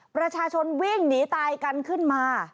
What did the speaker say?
ประชาชนวิ่งหนีตายกันขึ้นมา